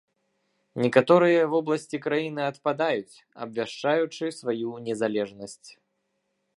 Некаторыя вобласці краіны адпадаюць, абвяшчаючы сваю незалежнасць.